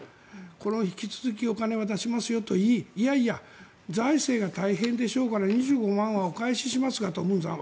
これは引き続きお金を出しますよと言いいやいや財政が大変でしょうから２５万円はお返ししますがという文さん